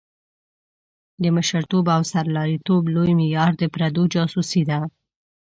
د مشرتوب او سرلاري توب لوی معیار د پردو جاسوسي ده.